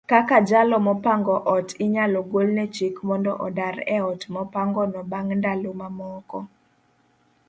kaka jalo mopango ot inyalo golne chik mondo odar eot mopangono bang' ndalo moko.